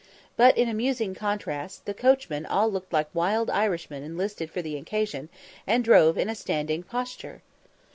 But in amusing contrast, the coachmen all looked like wild Irishmen enlisted for the occasion, and drove in a standing posture.